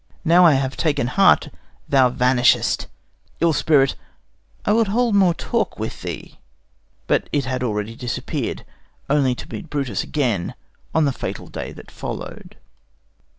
Now I have taken heart, thou vanishest: Ill spirit, I would hold more talk with thee. But it had already disappeared, only to meet Brutus again on the fatal day that followed.